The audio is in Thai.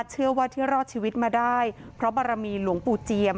เชื่อว่าที่รอดชีวิตมาได้เพราะบารมีหลวงปู่เจียม